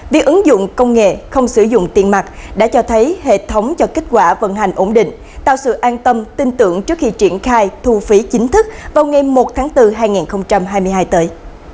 việc ứng dụng công nghệ không sử dụng tiền mặt đã cho thấy hệ thống cho kết quả vận hành ổn định tạo sự an tâm tin tưởng trước khi triển khai thu phí chính thức vào ngày một tháng bốn hai nghìn hai mươi hai tới